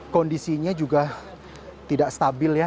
kondisinya juga tidak stabil ya